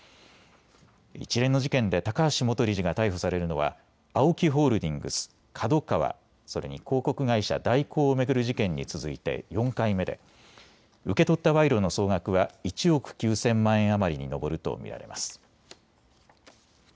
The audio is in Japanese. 一連の事件で高橋元理事が逮捕されるのはＡＯＫＩホールディングス、ＫＡＤＯＫＡＷＡ、それに広告会社、大広を巡る事件に続いて４回目で受け取った賄賂の総額は１億９０００万円余りに上ると見られます。